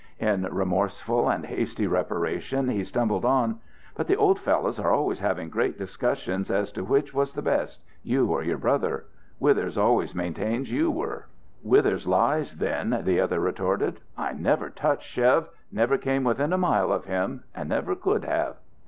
In remorseful and hasty reparation he stumbled on. "But the old fellows are always having great discussions as to which was the best you or your brother. Withers always maintains you were." "Withers lies, then!" the other retorted. "I never touched Chev never came within a mile of him, and never could have."